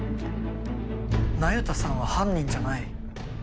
那由他さんは犯人じゃない。